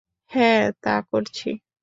হ্যাঁ, তা করছি।